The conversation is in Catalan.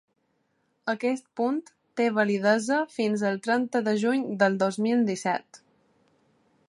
Aquest punt té validesa fins el trenta de juny del dos mil disset.